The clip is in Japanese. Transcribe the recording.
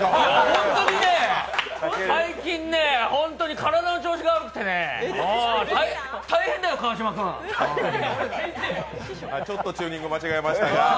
本当に最近、体の調子が悪くてね、大変だよ、川島君。ちょっとチューニング間違えました。